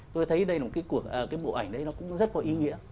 tôi thấy cái bộ ảnh đấy nó cũng rất có ý nghĩa